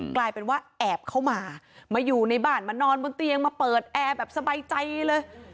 กลายเป็นว่าแอบเข้ามามาอยู่ในบ้านมานอนบนเตียงมาเปิดแอร์แบบสบายใจเลย